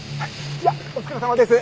じゃあお疲れさまです。